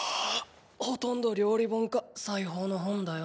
ほとんど料理本か裁縫の本だよ。